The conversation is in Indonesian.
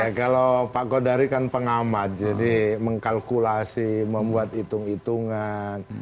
ya kalau pak godari kan pengamat jadi mengkalkulasi membuat hitung hitungan